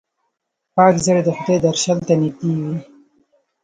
پاک زړه د خدای درشل ته نږدې وي.